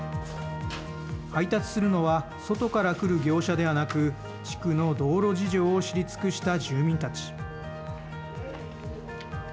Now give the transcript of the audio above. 配達するのは外から来る業者ではなく地区の道路事情を知り尽くした住民たち。